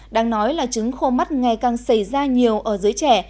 đáng nói là trứng khô mắt ngày càng xảy ra nhiều ở dưới trẻ